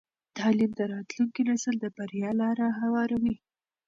تعلیم د راتلونکي نسل د بریا لاره هواروي.